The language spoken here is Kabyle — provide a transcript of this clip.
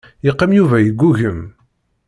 Yeqqim Yuba yeggugem.